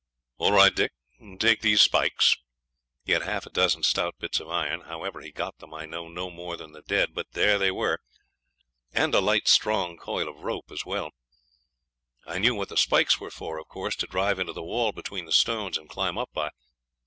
'All right, Dick; take these spikes.' He had half a dozen stout bits of iron; how ever he got them I know no more than the dead, but there they were, and a light strong coil of rope as well. I knew what the spikes were for, of course; to drive into the wall between the stones and climb up by.